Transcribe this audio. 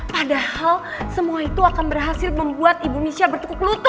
padahal semua itu akan berhasil membuat ibu misha bertukuk lutut